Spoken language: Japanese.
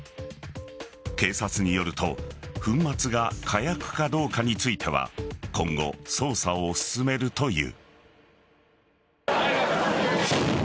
警察によると粉末が火薬かどうかについては今後、捜査を進めるという。